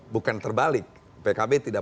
bukan terbalik pkb tidak